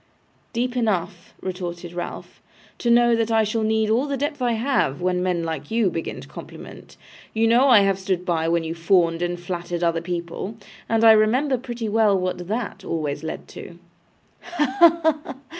'Deep enough,' retorted Ralph, 'to know that I shall need all the depth I have, when men like you begin to compliment. You know I have stood by when you fawned and flattered other people, and I remember pretty well what THAT always led to.' 'Ha, ha, ha!